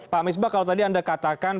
pak misbah kalau tadi anda katakan